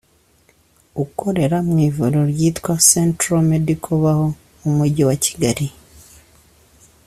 ukorera mu ivuriro ryitwa “Centre medical Baho” mu mujyi wa Kigali